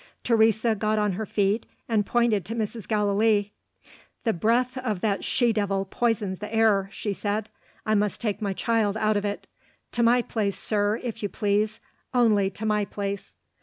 Teresa got on her feet, and pointed to Mrs. Gallilee. "The breath of that She Devil poisons the air," she said. "I must take my child out of it. To my place, sir, if you please. Only to my place."